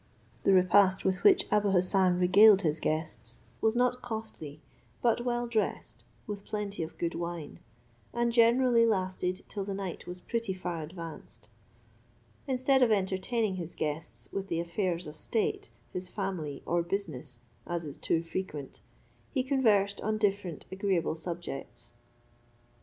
The repast with which Abou Hassan regaled his guests was not costly, but well dressed, with plenty of good wine, and generally lasted till the night was pretty far advanced; instead of entertaining his guests with the affairs of state, his family, or business, as is too frequent, he conversed on different agreeable subjects.